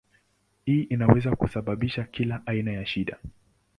Hii inaweza kusababisha kila aina ya shida.